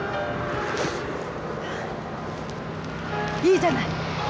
いいじゃない。